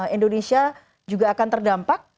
indonesia juga akan terdampak